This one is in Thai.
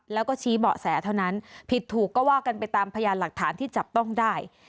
แล้วก็ชี้เบาะแสเท่านั้นผิดถูกก็ว่ากันไปตามพยานหลักฐานที่จับต้องได้